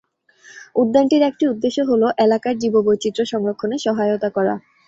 উদ্যানটির একটি উদ্দেশ্য হ'ল এলাকার জীববৈচিত্র্য সংরক্ষণে সহায়তা করা।